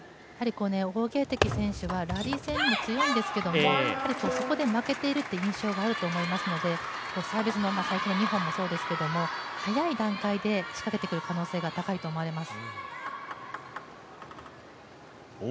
王ゲイ迪選手はラリー戦にも強いんですけれども、そこで負けているという印象があると思いますのでサービスも先ほどの２本もそうですけど、早い段階で仕掛けてくる可能性が高いと思われます。